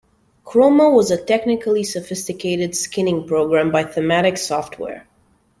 Chroma was a technically sophisticated skinning program by Thematic Software.